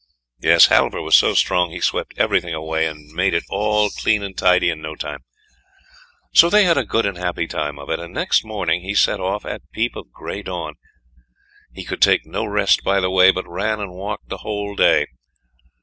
Yes, Halvor was so strong he swept everything away, and made it all clean and tidy in no time. So they had a good and happy time of it, and next morning he set off at peep of grey dawn; he could take no rest by the way, but ran and walked the whole day.